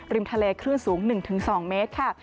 ทะเลคลื่นสูง๑๒เมตรค่ะ